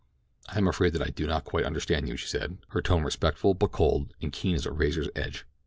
"I am afraid that I do not quite understand you," she said, her tone respectful, but cold and keen as a razor edge.